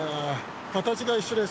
形が一緒です。